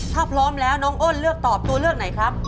ถ้าพร้อมแล้วน้องอ้นเลือกตอบตัวเลือกไหนครับ